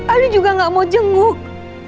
aduh juga gak mau jenguk